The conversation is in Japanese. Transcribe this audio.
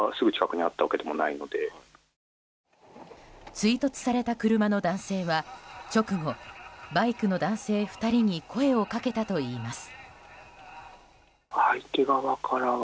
追突された車の男性は、直後バイクの男性２人に声をかけたといいます。